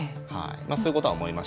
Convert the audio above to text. そういうことは思いましたね